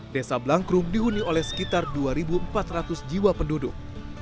desa blangkrum dihuni oleh sekitar dua empat ratus jiwa penduduk